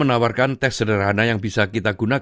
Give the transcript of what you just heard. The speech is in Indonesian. ini sangat penting bahwa pakaian ini berkualitas yang baik